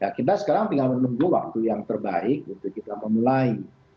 kita sekarang tinggal menunggu waktu yang terbaik untuk kita memulai